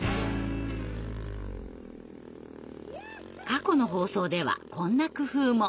過去の放送ではこんな工夫も。